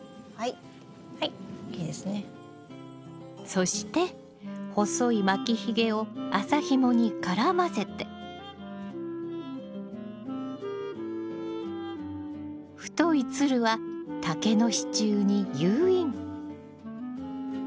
そして細い巻きひげを麻ひもに絡ませて太いツルは竹の支柱に誘引。